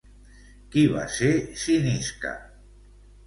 Qui va ser Cinisca?